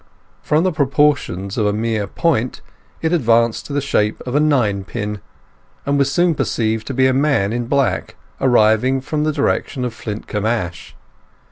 From the proportions of a mere point it advanced to the shape of a ninepin, and was soon perceived to be a man in black, arriving from the direction of Flintcomb Ash.